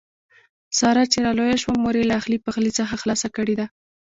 ساره چې را لویه شوه مور یې له اخلي پخلي څخه خلاصه کړې ده.